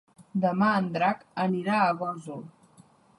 Demà en Drac anirà a Gósol.